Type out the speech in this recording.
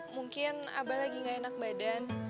mungkin abah lagi gak enak badan